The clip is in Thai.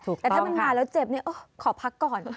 แต่ถ้ามันมาแล้วเจ็บเนี่ยขอพักก่อน